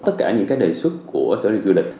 tất cả những cái đề xuất của xã du lịch